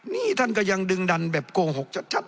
นี่ท่านก็ยังดึงดันแบบโกหกชัด